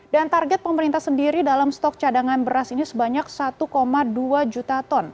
dan target pemerintah sendiri dalam stok cadangan beras ini sebanyak satu dua juta ton